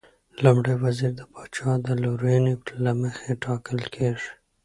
لومړی وزیر د پاچا د لورینې له مخې ټاکل کېږي.